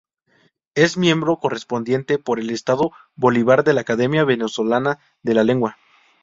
Es miembro correspondiente por el estado Bolívar de la Academia Venezolana de la Lengua.